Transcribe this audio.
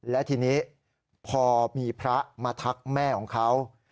และทีนี้พอมีพระมาทักแม่ของเขา